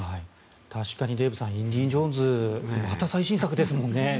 確かに、デーブさん「インディ・ジョーンズ」また最新作ですもんね。